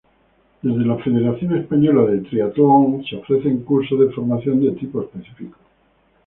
Desde la Federación Española de Triatlón, se ofrecen cursos de formación de tipo específico.